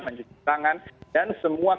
mencuci tangan dan semua